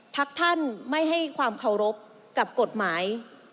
พักท่านไม่ให้ความเคารพกับกฎหมาย